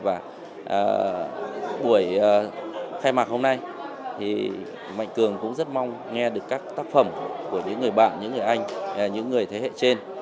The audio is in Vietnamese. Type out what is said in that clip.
và buổi khai mạc hôm nay thì mạnh cường cũng rất mong nghe được các tác phẩm của những người bạn những người anh những người thế hệ trên